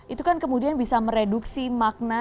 itu kan kemudian bisa mereduksi makna